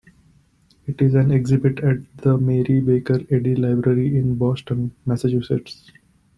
It is an exhibit at The Mary Baker Eddy Library in Boston, Massachusetts.